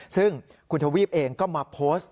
ซึ่งคุณทวีปเองก็มาโพสต์